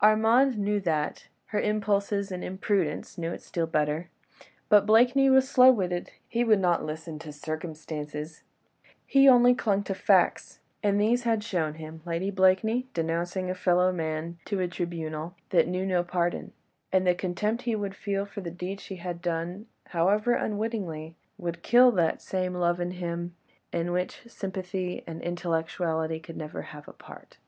Armand knew that: and those who took advantage of Marguerite's youth, her impulses and imprudence, knew it still better; but Blakeney was slow witted, he would not listen to "circumstances," he only clung to facts, and these had shown him Lady Blakeney denouncing a fellow man to a tribunal that knew no pardon: and the contempt he would feel for the deed she had done, however unwittingly, would kill that same love in him, in which sympathy and intellectuality could never have had a part.